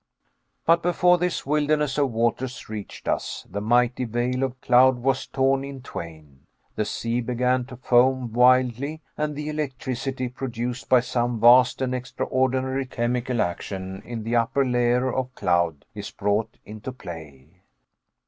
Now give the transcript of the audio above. But before this wilderness of waters reached us, the mighty veil of cloud was torn in twain; the sea began to foam wildly; and the electricity, produced by some vast and extraordinary chemical action in the upper layer of cloud, is brought into play.